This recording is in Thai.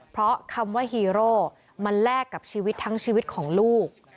เพราะคำว่าฮีโร่มันแลกกับชีวิตทั้งชีวิตของลูก